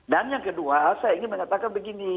dan yang kedua saya ingin mengatakan begini